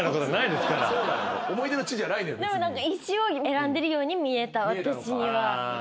でも何か石を選んでるように見えた私には。